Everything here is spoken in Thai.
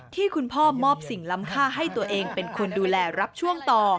ที่คุณพ่อมอบสิ่งล้ำค่าให้ตัวเองเป็นคนดูแลรับช่วงต่อ